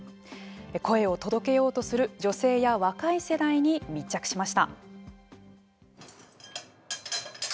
声を届けようとする女性や若い世代に密着しました。